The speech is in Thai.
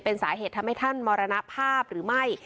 เป็นสาเหตุทำให้ท่านมรณภาพหรือไม่